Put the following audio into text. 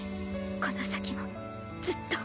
この先もずっと。